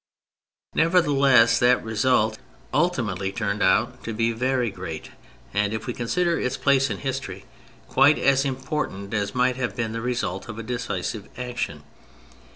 Nevertheless that result ultimately turned out to be very great, and if we consider its place in history, quite as important as might have been the result of a decisive action.